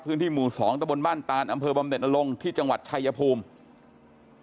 พื้นที่หมู่๒ตะบนบ้านตานอำเภอบำเน็ตนลงที่จังหวัดชายภูมิ